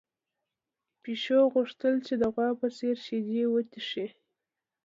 پيشو غوښتل چې د غوا په څېر شیدې وڅښي.